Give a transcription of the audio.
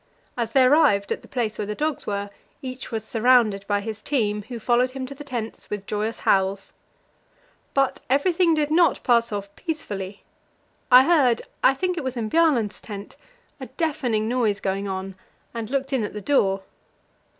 As they arrived at the place where the dogs were, each was surrounded by his team, who followed him to the tents with joyous howls. But everything did not pass off peacefully; I heard I think it was in Bjaaland's tent a deafening noise going on, and looked in at the door.